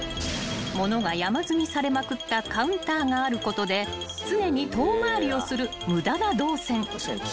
［物が山積みされまくったカウンターがあることで常に遠回りをする無駄な動線］